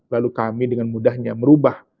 lalu kami dengan mudahnya merubah